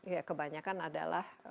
ya kebanyakan adalah